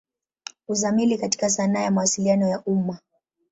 Uzamili katika sanaa ya Mawasiliano ya umma.